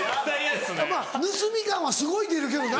まぁ盗み感はすごい出るけどな。